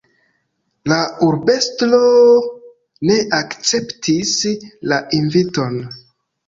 La urbestro ne akceptis la inviton.